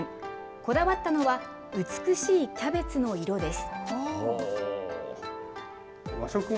こだわったのは、美しいキャベツの色です。